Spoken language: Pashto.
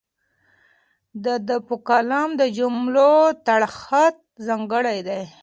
د ده په کلام کې د جملو تړښت ځانګړی دی.